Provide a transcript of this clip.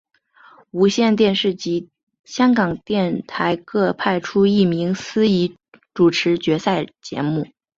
无线电视及香港电台各派出一名司仪主持决赛节目。